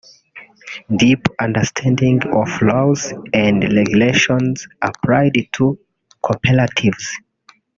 Deep understanding of laws and regulations applied to Cooperatives